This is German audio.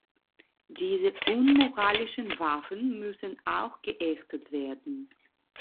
Diese unmoralischen Waffen müssen auch geächtet werden.